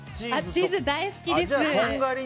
チーズ、大好きです。